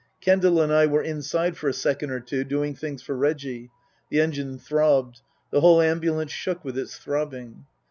Kendal and I were inside for a second or two doing things for Reggie. The engine throbbed. The whole ambulance shook with its throbbing.